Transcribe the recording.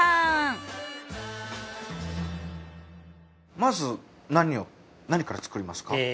まず何から作りますか？